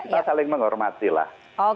kita saling menghormatilah